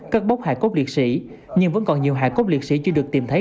các bốc hải quốc liệt sĩ nhưng vẫn còn nhiều hải quốc liệt sĩ chưa được tìm thấy